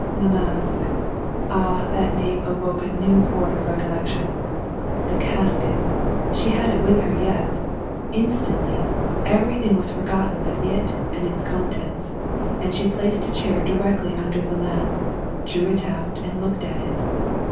La Masque! Ah! that name awoke a new chord of recollection the casket, she had it with her yet. Instantly, everything was forgotten but it and its contents; and she placed a chair directly under the lamp, drew it out, and looked at it.